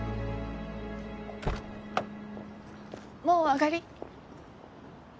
もう上がり？